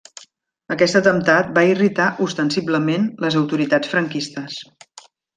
Aquest atemptat va irritar ostensiblement les autoritats franquistes.